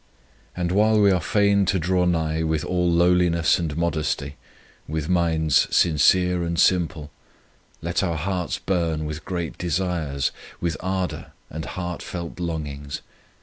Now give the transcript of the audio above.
And while we are fain to draw nigh with all lowliness and modesty, with minds sincere and simple, let our hearts burn with great desires, with ardour and heartfelt longings.